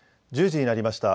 １０時になりました。